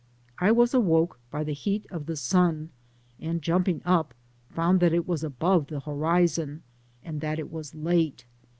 I was awakened by the heat of the sun, and jumping up found that it was above the horizon, and that it was late.